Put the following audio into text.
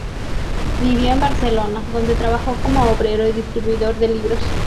Vivió en Barcelona, donde trabajó como obrero y distribuidor de libros.